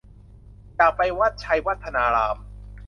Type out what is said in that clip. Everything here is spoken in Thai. อยากไปวัดไชยวัฒนาราม